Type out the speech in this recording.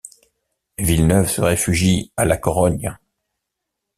Villeneuve se réfugie à La Corogne.